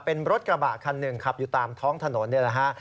เป็นรถกระบะคันหนึ่งขับอยู่ตามท้องถนนนี่แหละฮะ